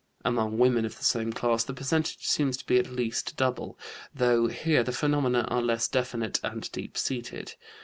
Among women of the same class the percentage seems to be at least double, though here the phenomena are less definite and deep seated.